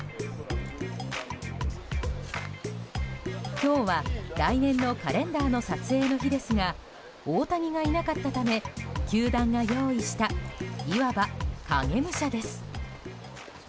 今日は来年のカレンダーの撮影の日ですが大谷がいなかったため球団が用意したいわば、影武者です。